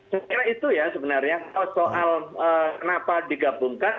sekarang itu ya sebenarnya soal kenapa digabungkan